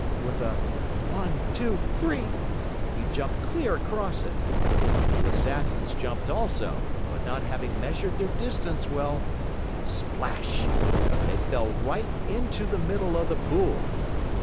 With a "One, two, three!" he jumped clear across it. The Assassins jumped also, but not having measured their distance well splash!!! they fell right into the middle of the pool.